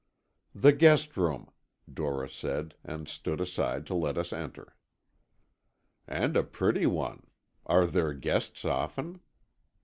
"The guest room," Dora said, and stood aside to let us enter. "And a pretty one. Are there guests often?"